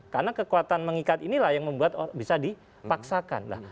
karena kekuatan mengikat inilah yang membuat bisa dipaksakan